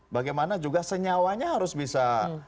bagaimana juga senyawanya harus bisa